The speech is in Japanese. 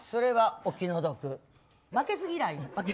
負けず嫌いや。